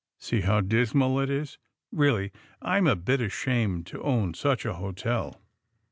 See how dismal it is. Really, I'm a bit ashamed to own such a hotel.